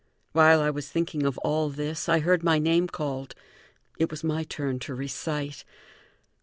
While I was thinking of all this, I heard my name called. It was my turn to recite.